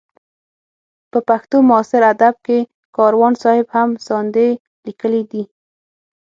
په پښتو معاصر ادب کې کاروان صاحب هم ساندې لیکلې دي.